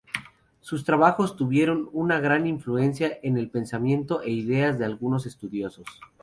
Sus trabajos tuvieron una gran influencia en el pensamiento e ideas de algunos estudiosos.